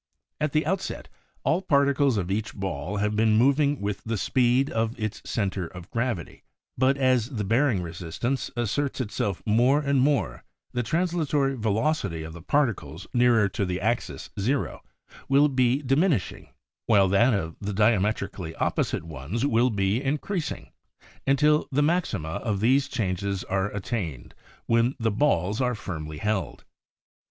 At the outset all particles of each ball have been moving with the speed of its center of gravity, but as the bearing resistance asserts itself more and more the translatory velocity of the particles nearer to the axis 0 will be diminishing, while that of the diametrically opposite ones will be increasing, until the maxima of these changes are attained when the balls are firmly held.